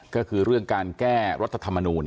ก็คือเรื่องการแก้รัฐธรรมนูล